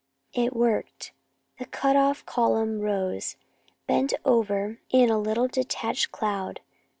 It worked! The cut off column rose, bent over in a little detached cloud.